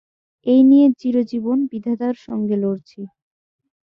এই নিয়ে চিরজীবন বিধাতার সঙ্গে লড়ছি।